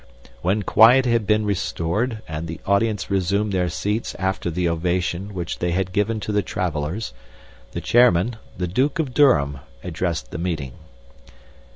"When quiet had been restored and the audience resumed their seats after the ovation which they had given to the travelers, the chairman, the Duke of Durham, addressed the meeting.